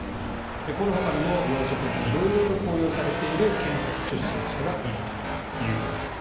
このほかにも要職に色々と登用されている検察出身者がいるということです。